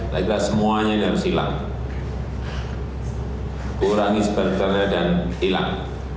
sehingga semuanya ini harus hilang kurangi sebanyaknya dan hilang